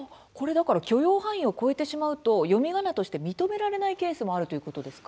許容範囲を超えてしまうと読みがなとして認められないケースもあるということですか？